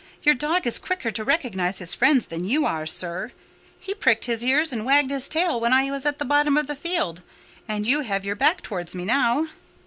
Your dog is quicker to recognise his friends than you are, sir; he pricked his ears and wagged his tail when I was at the bottom of the field, and you have your back towards me now."